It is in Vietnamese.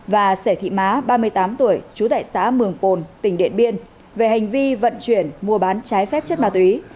và sẻ thị má ba mươi tám tuổi chú tại xã mường pồn tỉnh điện biên về hành vi vận chuyển mua bán trái phép chất ma túy